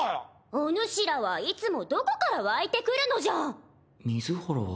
お主らはいつもどこから湧いてくるのじゃ。